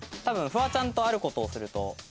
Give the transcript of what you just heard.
フワちゃんと、あることをすると。